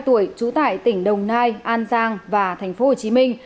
trú tại tỉnh đồng nai an giang và thành phố hồ chí minh